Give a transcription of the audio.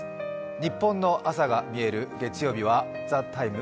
「ニッポンの朝がみえる」月曜日は「ＴＨＥＴＩＭＥ，」